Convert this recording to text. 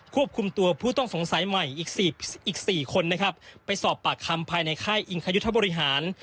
ควบคุมตัวผู้ต้องสงสัยใหม่อีก๔คนนะครับไปสอบปากคำภายในค่ายอิงคยุทธบริหาร